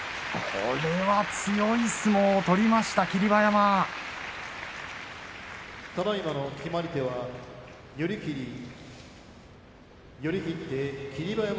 これは強い相撲を取りました霧馬山。